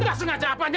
gak sengaja apanya